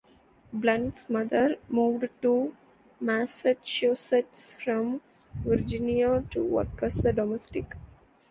Blunt's mother moved to Massachusetts from Virginia to work as a domestic.